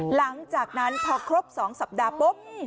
หลังจากนั้นพอครบ๒สัปดาห์ปุ๊บ